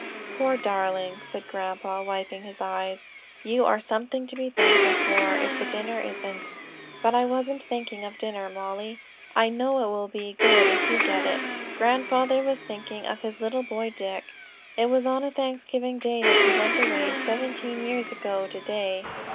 "Poor darling!" said grandpa, wiping his eyes, "you are something to be thankful for, if the dinner isn't. But I wasn't thinking of dinner, Mollie. I know it will be good if you get it. Grandfather was thinking of his little boy Dick. It was on a Thanksgiving day that he went away, seventeen years ago to day.